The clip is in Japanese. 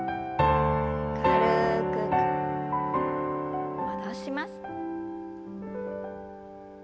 軽く戻します。